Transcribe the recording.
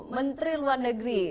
menteri luar negeri